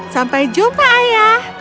sampai jumpa ayah